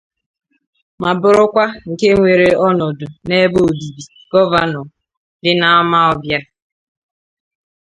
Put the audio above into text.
ma bụrụkwa nke weere ọnọdụ n'ebe obibi Gọvanọ dị n'Amawbia